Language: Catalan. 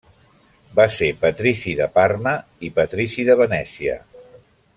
Va ser patrici de Parma i Patrici de Venècia.